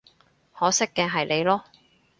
可惜嘅係你囉